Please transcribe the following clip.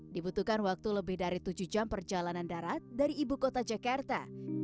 dibutuhkan waktu lebih dari tujuh jam perjalanan darat dari ibu kota jakarta